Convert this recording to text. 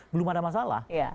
belum ada masalah